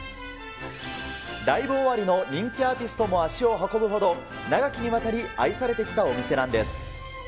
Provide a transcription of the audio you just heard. ライブ終わりの人気アーティストも足を運ぶほど、長きにわたり愛されてきたお店なんです。